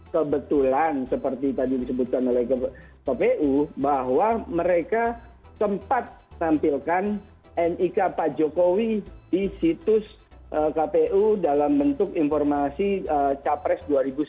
kebetulan seperti tadi disebutkan oleh kpu bahwa mereka sempat tampilkan nik pak jokowi di situs kpu dalam bentuk informasi capres dua ribu sembilan belas